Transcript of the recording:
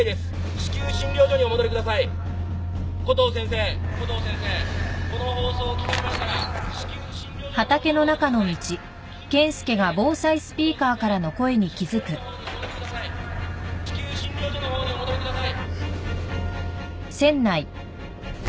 至急診療所のほうにお戻りください。